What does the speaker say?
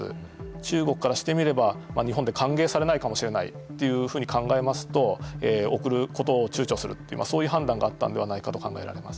中国からしてみれば歓迎されないかもしれないというふうに考えますと贈ることをちゅうちょするというそういう判断があったんじゃないかなと思います。